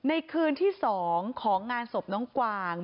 ในคืนที่๒ของงานศพน้องกวาง